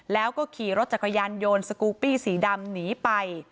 แล้วก็ขี่รถจักรยานโยนสกูปี้สีดำหนีไป